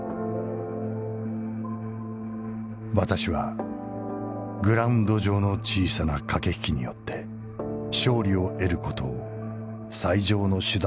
「私はグラウンド上の小さな掛引きによって勝利を得る事を最上の手段だとは思っていない。